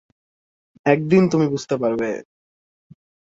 একদিন তুমি বুঝতে পারবে!